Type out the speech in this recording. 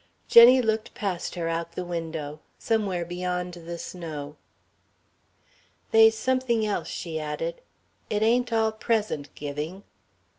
Jenny looked past her out the window, somewhere beyond the snow. "They's something else," she added, "it ain't all present giving...."